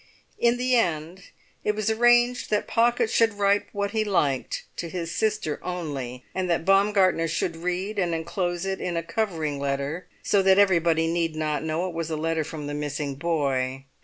In the end it was arranged that Pocket should write what he liked to his sister only, and that Baumgartner should read and enclose it in a covering letter, so that everybody need not know it was a letter from the missing boy.